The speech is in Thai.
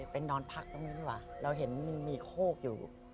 นอนพักตรงนี้ดีกว่าเราเห็นมันมีโคกอยู่